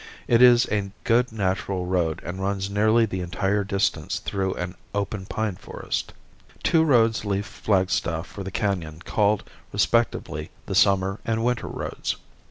It is a good natural road and runs nearly the entire distance through an open pine forest. Two roads leave Flagstaff for the Canon called respectively the summer and winter roads.